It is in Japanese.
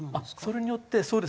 それによってそうです。